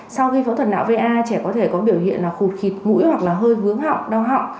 sau khi phẫu thuật não va trẻ có thể có biểu hiện là khụt thịt mũi hoặc là hơi vướng họng đau họng